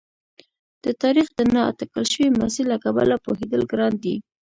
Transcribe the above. د تاریخ د نا اټکل شوي مسیر له کبله پوهېدل ګران دي.